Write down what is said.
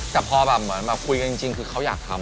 แต่พอแบบเหมือนแบบคุยกันจริงคือเขาอยากทำ